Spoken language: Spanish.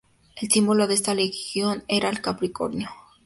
El símbolo de esta legión era el capricornio.